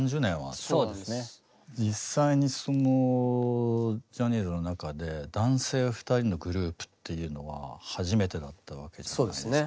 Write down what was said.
実際にそのジャニーズの中で男性２人のグループっていうのは初めてだったわけじゃないですか。